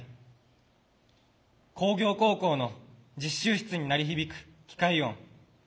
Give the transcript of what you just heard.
工業高校の実習室に鳴り響く機械音。